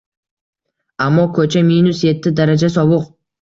Ammo koʻcha minus yetti daraja sovuq.